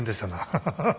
ハハハハ。